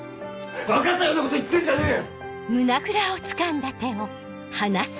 ⁉分かったようなこと言ってんじゃねえよ！